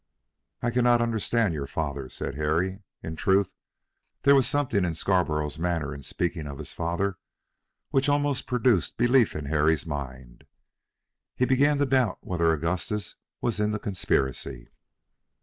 "I cannot understand your father," said Harry. In truth, there was something in Scarborough's manner in speaking of his father which almost produced belief in Harry's mind. He began to doubt whether Augustus was in the conspiracy.